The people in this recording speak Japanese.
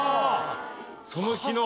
その日の！